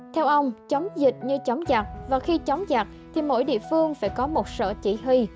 theo ông chống dịch như chống giặc và khi chống giặc thì mỗi địa phương phải có một sở chỉ huy